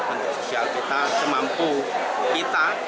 untuk sosial kita semampu kita